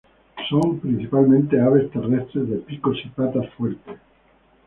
Son principalmente aves terrestres, de picos y patas fuertes.